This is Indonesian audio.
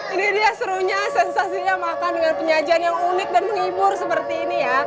ini dia serunya sensasinya makan dengan penyajian yang unik dan menghibur seperti ini ya